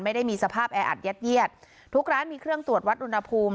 ไม่ได้มีสภาพแออัดยัดเยียดทุกร้านมีเครื่องตรวจวัดอุณหภูมิ